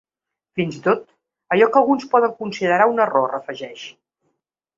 “Fins i tot allò que alguns poden considerar un error”, afegeix.